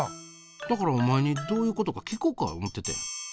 だからお前にどういうことか聞こか思っててん。